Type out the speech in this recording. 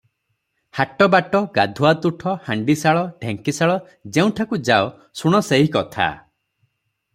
ହାଟ-ବାଟ, ଗାଧୁଆ ତୁଠ, ହାଣ୍ତିଶାଳ, ଢ଼େଙ୍କିଶାଳ, ଯେଉଁଠାକୁ ଯାଅ, ଶୁଣ ସେହି କଥା ।